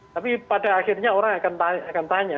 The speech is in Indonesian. tapi pada akhirnya orang akan tanya